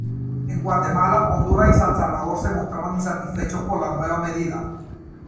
En Guatemala, Honduras y San Salvador se mostraban insatisfechos por la nueva medida.